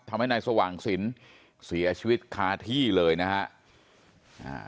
ทำให้นายสว่างสินเสียชีวิตคาที่เลยนะฮะอ่า